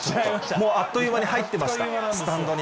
もうあっという間に入ってました、スタンドに。